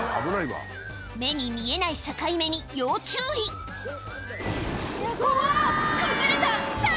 目に見えない境目に要注意「うわ崩れた！